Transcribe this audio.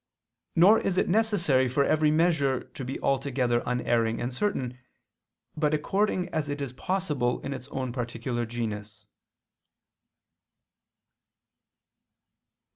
Nor is it necessary for every measure to be altogether unerring and certain, but according as it is possible in its own particular genus.